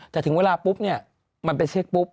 แต่ถึงเวลาปุ๊บเนี่ยมันไปเช็คปุ๊บ